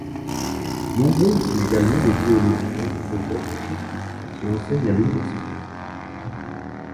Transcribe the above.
Nombreux sont également les théologiens et philosophes jésuites qui enseignent à l’université.